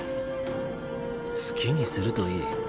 好きにするといい。